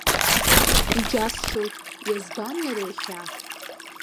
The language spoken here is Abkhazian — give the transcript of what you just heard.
Иџьасшьоит, избан иара иахьа?